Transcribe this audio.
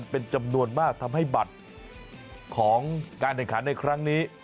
เป็นจำนวนมากทำให้บัตรของการแข่งขันในครั้งนี้